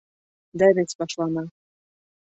Дәрес башлана.